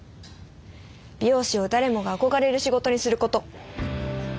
美容師を誰もが憧れる仕事にすること。